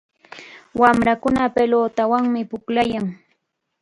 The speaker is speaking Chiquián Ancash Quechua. Wamrakuna pilutawanmi pukllayan.